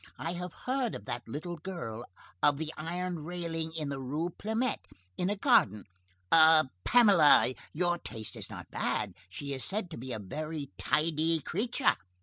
I have heard of that little girl of the iron railing in the Rue Plumet. In a garden, a Pamela. Your taste is not bad. She is said to be a very tidy creature.